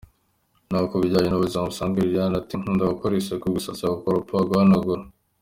Naho ku bijyanye n'ubuzima busanzwe Liliane ati: "Nkunda gukora isuku, gusasa, gukoropa, guhanagura.